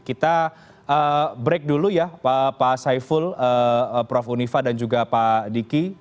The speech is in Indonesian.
kita break dulu ya pak saiful prof unifa dan juga pak diki